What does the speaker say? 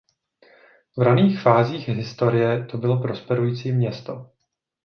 V raných fázích historie to bylo prosperující město.